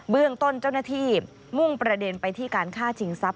เรื่องต้นเจ้าหน้าที่มุ่งประเด็นไปที่การฆ่าชิงทรัพย